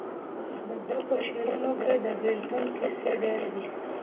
د ده په شعرونو کې د بېلتون کیسې ډېرې دي.